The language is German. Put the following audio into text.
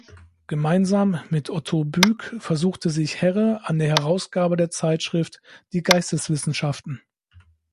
Gemeinsam mit Otto Buek versuchte sich Herre an der Herausgabe der Zeitschrift "Die Geisteswissenschaften".